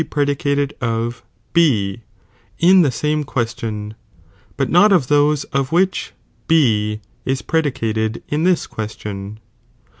^^ predicated of B IT in the same question, but not ■iniheininor; of thosc of which B is predicated in tlus question.